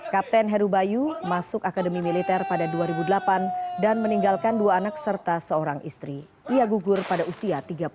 kepulauan riau selamat menikmati